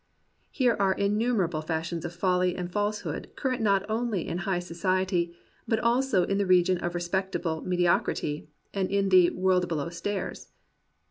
Here are innumerable fashions of folly and falsehood current not only in high so ciety, but also in the region of respectable medi ocrity, and in the "world below stairs."